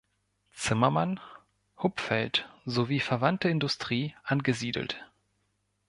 Zimmermann, Hupfeld sowie verwandte Industrie angesiedelt.